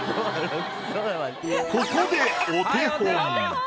ここでお手本。